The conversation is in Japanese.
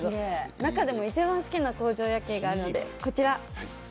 中でも一番好きな工場夜景があるので、こちら。